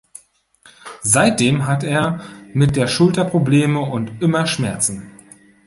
Seitdem hat er mit der Schulter Probleme und immer Schmerzen.